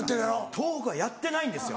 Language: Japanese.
東北はやってないんですよ。